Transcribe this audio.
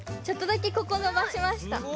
ちょっとだけここのばしました。